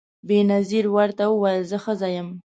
بېنظیر ورته وویل زه ښځه یم